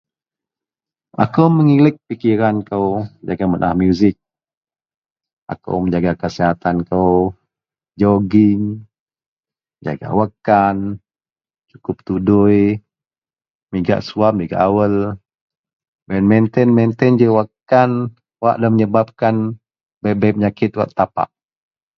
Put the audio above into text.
Akou merelak pikiran kou dengan menaah muzik, akou menjaga kesihatan kou, jogging, jaga wakkan, sukup tudui. Migak suwab migak awel, mainten-mainten ji wakkan wak nda menyebabkan bei-bei penyakit wak tapak